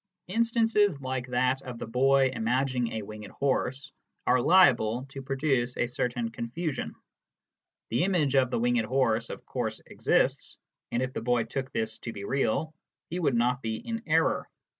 Instances like that of the boy imagining a winged horse are liable to produce a certain confusion. The image of the winged horse of course exists, and if the boy took this to be real, he would not be in error.